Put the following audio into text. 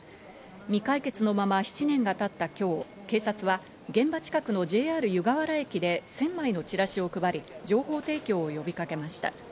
未解決のまま７年がたった今日、警察は現場近くのＪＲ湯河原駅で１０００枚のチラシを配り情報提供を呼びかけました。